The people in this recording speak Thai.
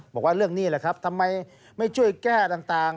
บอกว่าเรื่องนี้แหละครับทำไมไม่ช่วยแก้ต่าง